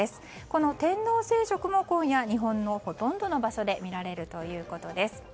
この天王星食も今夜、日本のほとんどの場所で見られるということです。